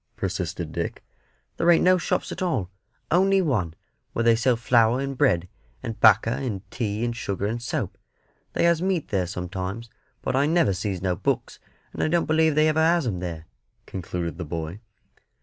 persisted Dick. "There ain't no shops at all only one, where they sells flour, and bread, and 'bacca, and tea, and sugar, and soap. They has meat there sometimes; but I never sees no books, and I don't believe they ever has 'em there," concluded the boy.